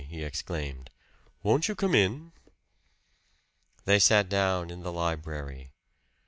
he exclaimed. "Won't you come in?" They sat down in the library.